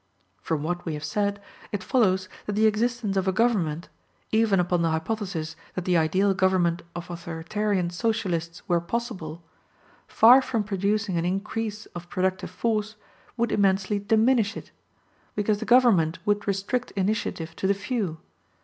From what we have said, it follows that the existence of a government, even upon the hypothesis that the ideal government of authoritarian Socialists were possible, far from producing an increase of productive force, would immensely diminish it; because the government would restrict initiative to the few.